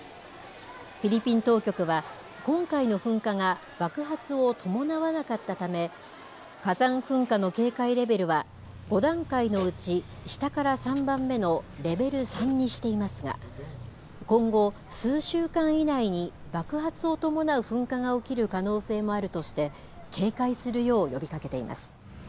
フィリピン当局は、今回の噴火が爆発を伴わなかったため、火山噴火の警戒レベルは、５段階のうち下から３番目のレベル３にしていますが、今後、数週間以内に爆発を伴う噴火が起きる可能性もあるとして、警戒するよう呼びかけています。